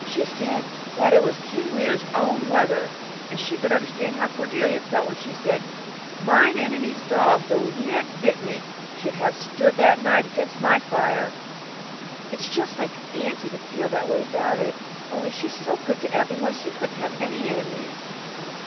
She said that it was King Lear's own weather, and she could understand how Cordelia felt when she said, 'Mine enemy's dog, though he had bit me, should have stood that night against my fire!' It is just like auntie to feel that way about it, only she's so good to everybody she couldn't have any enemies."